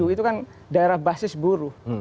itu kan daerah basis buruh